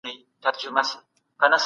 ي الله څخه ښكلا په سجده كي غواړم